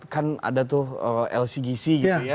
kan ada tuh lcgc gitu ya